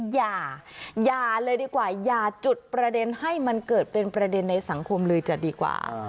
อย่าอย่าเลยดีกว่าอย่าจุดประเด็นให้มันเกิดเป็นประเด็นในสังคมเลยจะดีกว่า